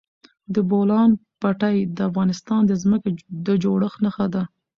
د بولان پټي د افغانستان د ځمکې د جوړښت نښه ده.